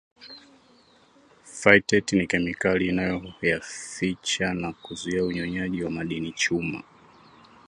Phytate ni kemikali inayoyaficha na kuzuia unyonyaji wa madini chuma